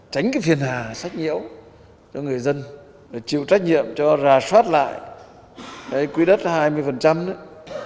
tránh cái phiền hà sách nhiễu cho người dân để chịu trách nhiệm cho rà soát lại cái quy đất hai mươi nữa